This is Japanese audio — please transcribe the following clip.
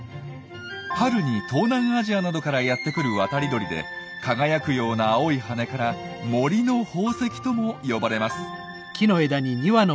春に東南アジアなどからやって来る渡り鳥で輝くような青い羽から「森の宝石」とも呼ばれます。